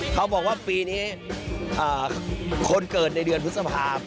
เขาบอกว่าปีนี้คนเกิดในเดือนพฤษภาพ